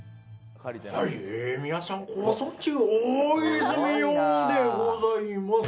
はい、皆さんご存知大泉洋でございます。